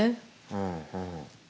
うんうん。